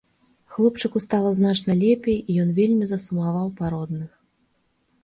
Хлопчыку стала значна лепей і ён вельмі засумаваў па родных.